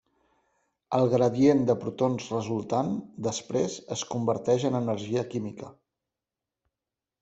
El gradient de protons resultant després es converteix en energia química.